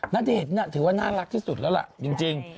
ณเดชน์ถือว่าน่ารักที่สุดแล้วล่ะจริง